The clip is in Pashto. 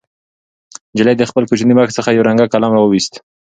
نجلۍ د خپل کوچني بکس څخه یو رنګه قلم راوویست.